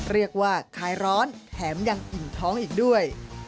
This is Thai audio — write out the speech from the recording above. เรียกว่าคลายร้อนแถมยังอิ่มท้องอีกด้วย